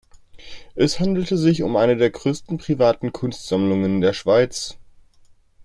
Es handelt sich um eine der grössten privaten Kunstsammlungen der Schweiz.